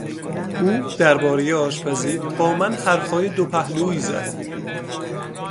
او دربارهی آشپزی من حرفهای دوپهلویی زد.